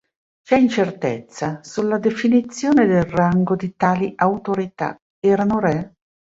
C'è incertezza sulla definizione del rango di tali autorità: erano re?